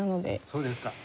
そうですか。